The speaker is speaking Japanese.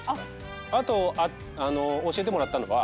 あと教えてもらったのは。